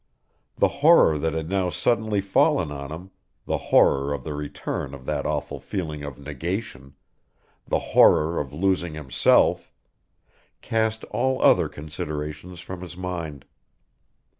The horror that had now suddenly fallen on him, the horror of the return of that awful feeling of negation, the horror of losing himself, cast all other considerations from his mind.